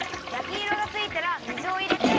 きいろがついたら水をいれて。